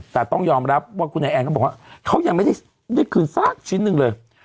แต่ต้องยอมรับว่าคุณไอแอนก็บอกว่าเขายังไม่ได้คืนสักชิ้นหนึ่งเลย